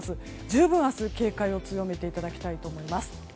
十分明日、警戒を強めていただきたいと思います。